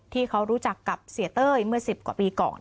ที่เขารู้จักกับเสียเต้ยเมื่อ๑๐กว่าปีก่อน